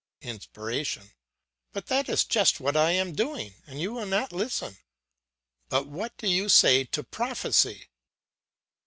"INSPIRATION: But that is just what I am doing, and you will not listen. But what do you say to prophecy?